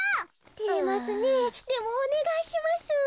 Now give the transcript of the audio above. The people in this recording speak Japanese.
てれますねえでもおねがいします。